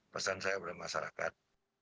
pesan saya kepada masyarakat